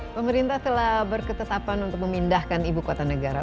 pemerintah telah berketetapan untuk memindahkan ibu kota negara